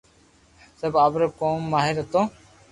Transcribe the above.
سب آپري ڪوم ماھر ھتو